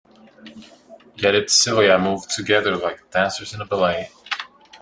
Yet its cilia move together like dancers in a ballet.